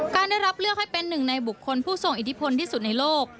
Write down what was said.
การได้รับเลือกให้เป็นหนึ่งในบุคคลผู้ทรงอิทธิพลที่สุดในโลก